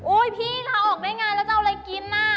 พี่ลาออกได้ไงแล้วจะเอาอะไรกินน่ะ